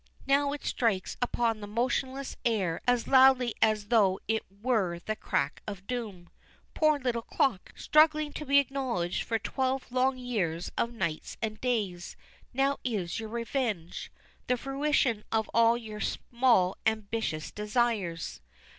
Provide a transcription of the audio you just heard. Now it strikes upon the motionless air as loudly as though it were the crack of doom. Poor little clock! struggling to be acknowledged for twelve long years of nights and days, now is your revenge the fruition of all your small ambitious desires.